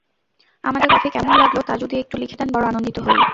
আমাদের কফি কেমন লাগল তা যদি একটু লিখে দেন বড় আনন্দিত হই।